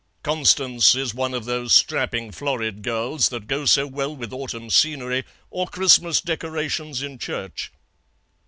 Constance is one of those strapping florid girls that go so well with autumn scenery or Christmas decorations in church.